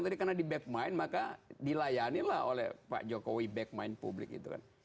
karena di backman maka dilayani lah oleh pak jokowi backman publik itu kan